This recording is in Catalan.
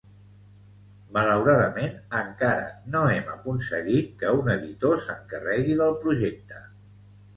Malauradament, encara no hem aconseguit que un editor s'encarregui del projecte.